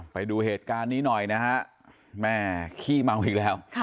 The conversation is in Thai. ไปดูเหตุการณ์นี้หน่อยนะฮะแม่ขี้เมาอีกแล้ว